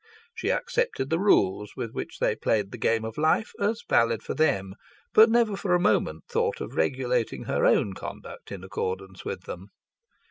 She accepted the rules with which they played the game of life as valid for them, but never for a moment thought of regulating her own conduct in accordance with them.